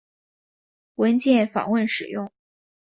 文件访问使用。